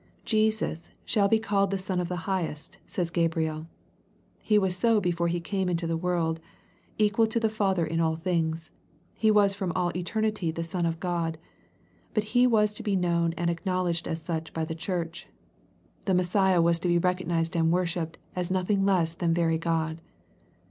Jesus " shall be called the Son of the Highest," says Gabriel. He was so before He came into the world. Equal to the Father in all things. He was from all eternity the Son of God. But He was to be known and acknowledged as such by the Church. The Messiah was to be recognized and worshipped as nothing less than very God.